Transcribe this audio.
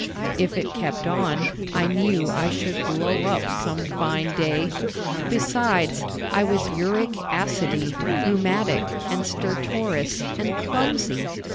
If it kept on I knew I should blow up some fine day. Besides, I was uric acidy, rheumatic and stertorous and clumsy.